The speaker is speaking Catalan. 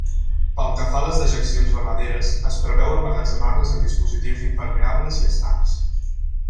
Pel que fa a les dejeccions ramaderes, es preveu emmagatzemar-les en dispositius impermeables i estancs.